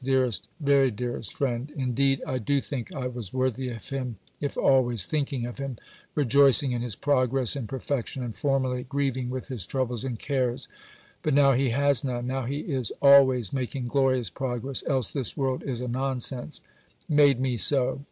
DEAREST VERY DEAREST FRIEND Indeed I do think I was worthy of him if always thinking of him, rejoicing in his progress in perfection and (formerly) grieving with his troubles and cares (but now he has none, now he is always making glorious progress, else this world is a nonsense), made me so.